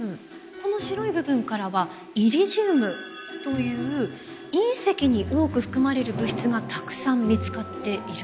この白い部分からはイリジウムという隕石に多く含まれる物質がたくさん見つかっているんですね。